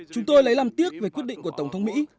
chúng tôi lấy làm tiếc về quyết định của tổng thống mỹ